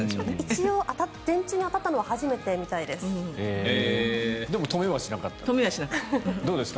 一応電柱に当たったのは初めてらしいです。